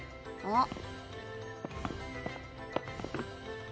あっ。